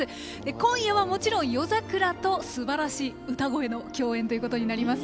今夜はもちろん、夜桜とすばらしい歌声の共演ということになります。